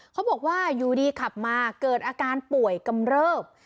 เขาบอกว่าอยู่ดีขับมาเกิดอาการป่วยกำเริบ